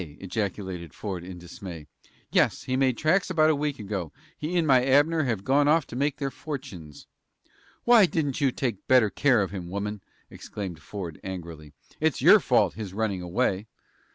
ejaculated Ford, in dismay. "Yes; he made tracks about a week ago. He and my Abner have gone off to make their fortunes." "Why didn't you take better care of him, woman?" exclaimed Ford, angrily. "It's your fault, his running away!"